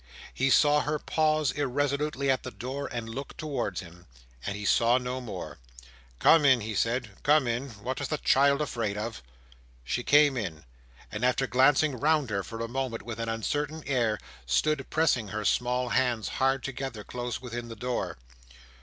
He saw her pause irresolutely at the door and look towards him; and he saw no more. "Come in," he said, "come in: what is the child afraid of?" She came in; and after glancing round her for a moment with an uncertain air, stood pressing her small hands hard together, close within the door.